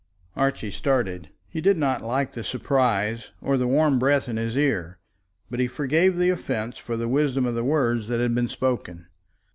Archie started and did not like the surprise, or the warm breath in his ear; but he forgave the offence for the wisdom of the words that had been spoken.